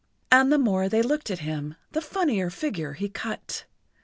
And the more they looked at him the funnier figure he cut.